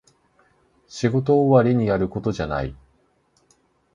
仕事終わりにやることじゃない